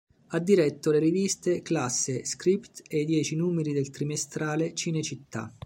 Ha diretto le riviste "Classe, Script" e i dieci numeri del trimestrale "Cinecittà".